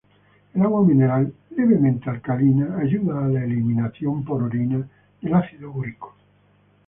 El agua mineral levemente alcalina ayuda a la eliminación por orina del ácido úrico.